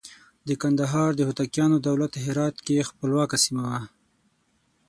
د کندهار د هوتکیانو دولت هرات کې خپلواکه سیمه وه.